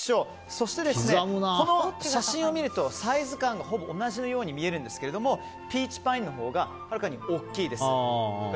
そして、この写真を見るとサイズ感がほぼ同じのように見えるんですがピーチパインのほうがはるかに大きいです。